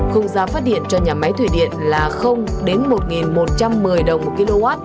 khung giá phát điện cho nhà máy thủy điện là đến một một trăm một mươi đồng một kw